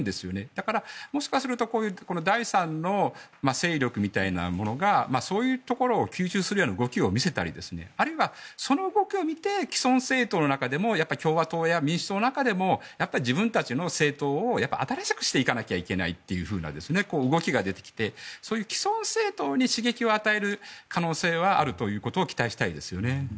だからもしかしたらすると第３の勢力みたいなものがそういうところを吸収する動きを見せたりあるいはその動きを見せて既存政党の中でも共和党や民主党の中でも自分たちの政党を新しくしていかなければいけない動きが出てきてそういう既存政党に刺激を与える可能性はあるということは期待したいですよね。